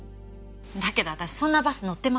だけど私そんなバス乗ってません。